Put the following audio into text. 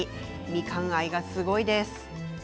みかん愛、すごいですね。